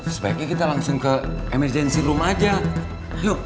sebaiknya kita langsung ke ruang kecemasan aja